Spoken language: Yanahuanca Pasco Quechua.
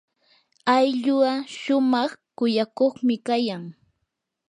ayllua shumaq kuyakuqmi kayan.